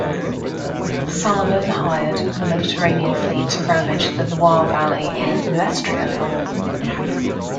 Salomon hired the Mediterranean fleet to ravage the Loire valley in Nuestria.